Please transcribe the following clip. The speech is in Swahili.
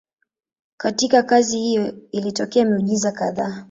Katika kazi hiyo ilitokea miujiza kadhaa.